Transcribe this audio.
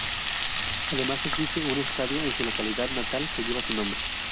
Además existe un estadio en su localidad natal que lleva su nombre.